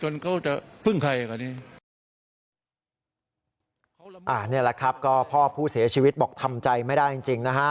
นี่แหละครับก็พ่อผู้เสียชีวิตบอกทำใจไม่ได้จริงจริงนะฮะ